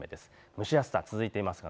蒸し暑さが続いています。